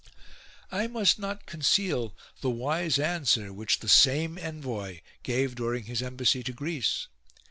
6. I must not conceal the wise answer which the same envoy gave during his embassy to Greece.